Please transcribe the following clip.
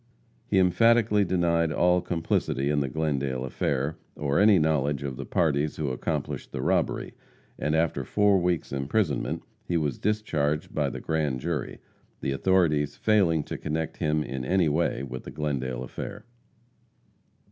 He emphatically denied all complicity in the Glendale affair, or any knowledge of the parties who accomplished the robbery, and after four weeks' imprisonment he was discharged by the Grand Jury, the authorities failing to connect him, in any way, with the Glendale affair.